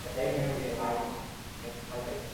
Uy bor gʼishtdan qurilgan.